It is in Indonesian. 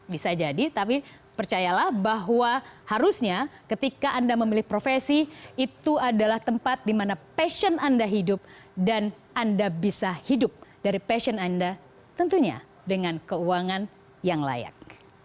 bisa jadi tapi percayalah bahwa harusnya ketika anda memilih profesi itu adalah tempat di mana passion anda hidup dan anda bisa hidup dari passion anda tentunya dengan keuangan yang layak